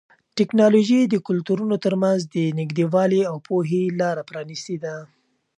ټیکنالوژي د کلتورونو ترمنځ د نږدېوالي او پوهې لاره پرانیستې ده.